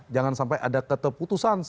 jangan sampai ada keterputusan